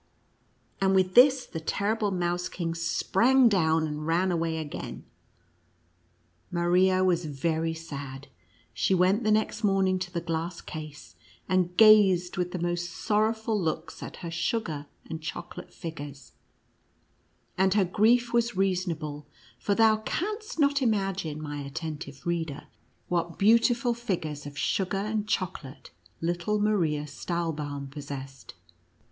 and with this, the terrible Mouse King sprang down, and ran away again. Maria was very sad; she went the next morning to the glass case, and gazed with the most sorrowful looks at her sugar and chocolate figures, And her grief was reasonable, for thou canst not imagine, my attentive reader, what beautiful figures of su^ar and chocolate little Maria Stahlbaum possessed.